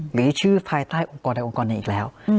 หรือชื่อภายใต้องค์กรใดองค์กรหนึ่งอีกแล้ว